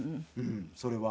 それは。